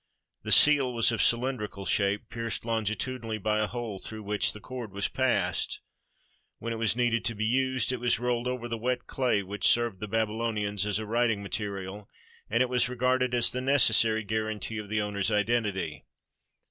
The seal was of cylindrical shape, pierced longitudinally by a hole through which the cord was passed. When it was needed to be used, it was rolled over the wet clay which served the Baby lonians as a writing material, and it was regarded as the necessary guaranty of the owner's identity.